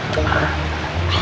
bratdi yang juga